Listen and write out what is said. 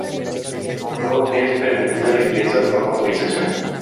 Solo es permitido el ingreso con autorización.